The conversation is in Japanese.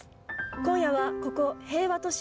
今夜はここ平和都市